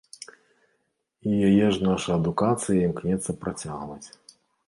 І яе ж наша адукацыя імкнецца працягваць.